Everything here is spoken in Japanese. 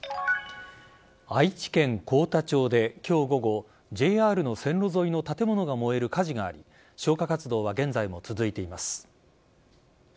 愛知県幸田町で今日午後ＪＲの線路沿いの建物が燃える火事があり消火活動は現在も続いています。